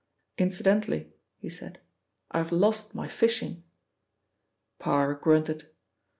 "Incidentally," he said, "I have lost my fishing." Parr grunted.